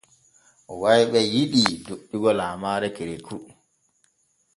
Wayɓe yiɗii doƴƴugo laamaare kereku.